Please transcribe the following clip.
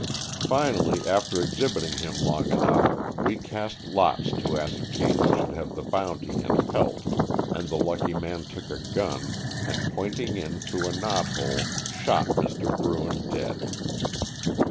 Finally after exhibiting him long enough we cast lots to ascertain who should have the bounty and pelt and the lucky man took a gun and pointing in through a knothole shot Mr. Bruin dead.